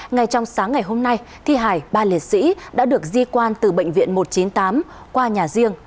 ngay trong sáng ngày hôm nay thi hải ba liệt sĩ đã được di quan từ bệnh viện một trăm chín mươi tám qua nhà riêng